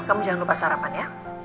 kamu jangan lupa sarapan ya